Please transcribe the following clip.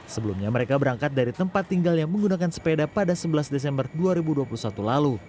sebelumnya mereka berangkat dari tempat tinggal yang menggunakan sepeda pada sebelas desember dua ribu dua puluh satu lalu